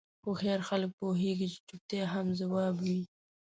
هوښیار خلک پوهېږي چې چوپتیا هم ځواب وي.